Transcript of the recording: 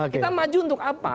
kita maju untuk apa